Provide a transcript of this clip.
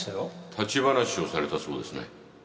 立ち話をされたそうですね。